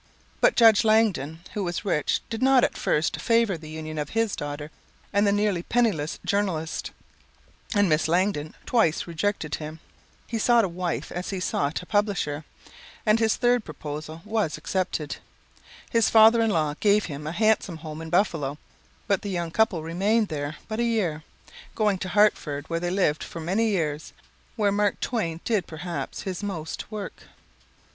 But Judge Langdon, who was rich, did not at first favor the union of his daughter and the nearly penniless journalist, and Miss Langdon twice rejected him. He sought a wife as he had sought a publisher, and his third proposal was accepted. His father in law gave him a handsome home in Buffalo, but the young couple remained there but a year, going to Hartford where they lived for many years and where Mark Twain did perhaps his most ... work...